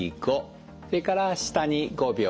それから下に５秒。